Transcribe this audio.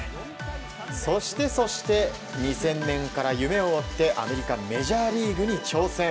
そして、そして２０００年から夢を追ってアメリカ、メジャーリーグに挑戦。